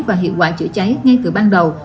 và hiệu quả chữa cháy ngay từ ban đầu